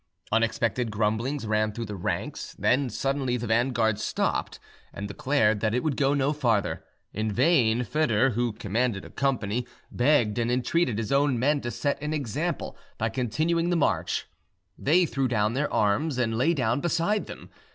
Unexpected grumblings ran through the ranks; then suddenly the vanguard stopped, and declared that it would go no farther. In vain Foedor, who commanded a company, begged and entreated his own men to set an example by continuing the march: they threw down their arms, and lay down beside them.